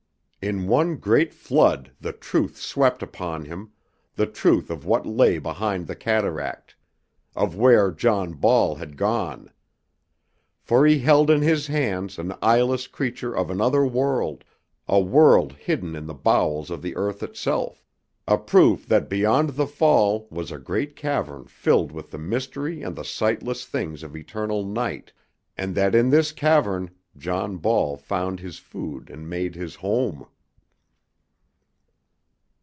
In one great flood the truth swept upon him, the truth of what lay behind the cataract, of where John Ball had gone! For he held in his hands an eyeless creature of another world, a world hidden in the bowels of the earth itself, a proof that beyond the fall was a great cavern filled with the mystery and the sightless things of eternal night, and that in this cavern John Ball found his food and made his home!